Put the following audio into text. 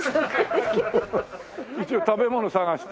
一応食べ物探して。